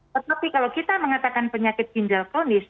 tetapi kalau kita mengatakan penyakit ginjal kronis